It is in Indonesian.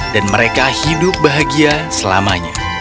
dan mereka hidup bahagia selamanya